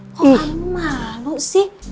kok kamu malu sih